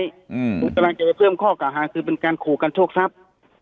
หนูกำลังจะไปเพิ่มข้อเก่าหาคือเป็นการขู่กันโชคทรัพย์